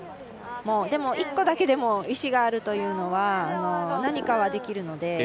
でも１個だけでも石があるというのは何かはできるので。